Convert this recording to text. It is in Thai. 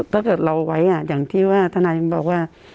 ถ้าเกิดเราไว้อย่างที่ว่าทนายยังบอกว่า